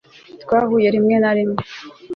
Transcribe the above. twahuye rimwe na rimwe